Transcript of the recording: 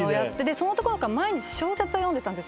その男の子は毎日小説を読んでたんですよ。